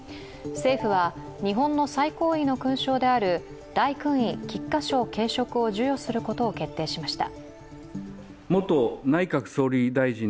政府は日本の最高位の勲章である大勲位菊花章頸飾を授与することを決定しました。